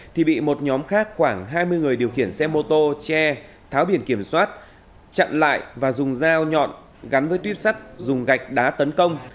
thì bị một nhóm khác khoảng hai mươi người điều khiển xe mô tô che tháo biển kiểm soát chặn lại và dùng dao nhọn gắn với tuyếp sắt dùng gạch đá tấn công